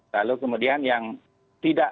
lalu kemudian yang tidak